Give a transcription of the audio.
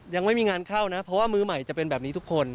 ยังไม่มีงานเข้านะเพราะว่ามื้อใหม่จะเป็นแบบนี้ทุกคน